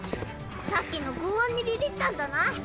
さっきの轟音にビビったんだな。